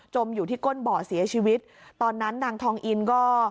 อยู่ที่ก้นบ่อเสียชีวิตตอนนั้นนางทองอินก็